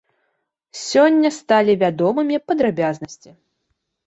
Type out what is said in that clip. Сёння сталі вядомымі падрабязнасці.